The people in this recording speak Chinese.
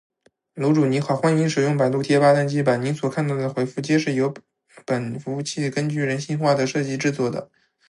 楼主你好：欢迎使用百度贴吧单机版！您所看到的回复，皆是由本服务器根据人性化的设计制作的